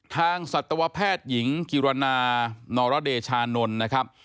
สัตวแพทย์หญิงกิรณานรเดชานนท์นะครับ